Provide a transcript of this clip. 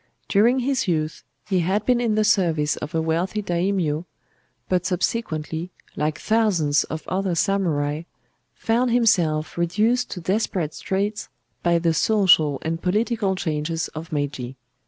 During his youth he had been in the service of a wealthy daimyō, but subsequently, like thousands of other samurai, found himself reduced to desperate straits by the social and political changes of Meiji.